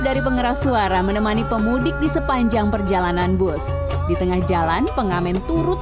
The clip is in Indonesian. dari pengeras suara menemani pemudik di sepanjang perjalanan bus di tengah jalan pengamen turut